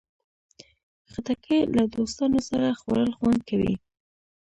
خټکی له دوستانو سره خوړل خوند کوي.